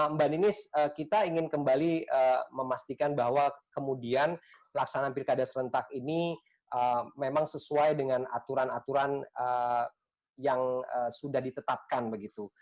mbak ninis kita ingin kembali memastikan bahwa kemudian pelaksanaan pilkada serentak ini memang sesuai dengan aturan aturan yang sudah ditetapkan begitu